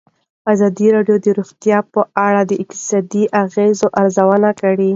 ازادي راډیو د روغتیا په اړه د اقتصادي اغېزو ارزونه کړې.